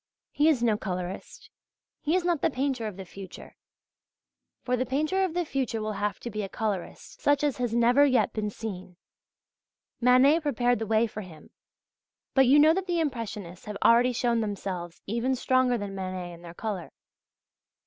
He is no colourist. He is not the painter of the future. For the painter of the future will have to be a colourist such as has never yet been seen. Manet prepared the way for him; but you know that the Impressionists have already shown themselves even stronger than Manet in their colour.